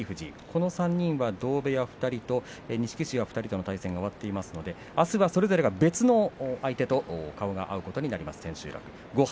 この３人は同部屋２人と錦富士も対戦が終わっていますのでそれぞれ、あすは別の相手と顔が合うことになります。